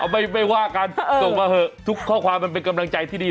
ไม่ว่ากันส่งมาเถอะทุกข้อความมันเป็นกำลังใจที่ดี